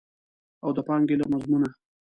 او د پانګې له مضمونه.